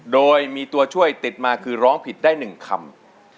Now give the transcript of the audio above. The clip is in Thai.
โดยมีตัวช่วยติดมาคือร้องผิดได้๑คำ